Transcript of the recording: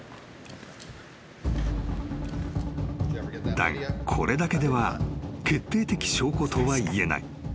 ［だがこれだけでは決定的証拠とはいえない］